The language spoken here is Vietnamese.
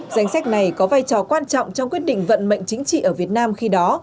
danh sách này có vai trò quan trọng trong quyết định vận mệnh chính trị ở việt nam khi đó